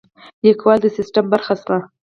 لیکوال د سیستم برخه شوه.